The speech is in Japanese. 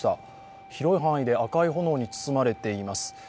広い範囲で赤い炎に包まれています。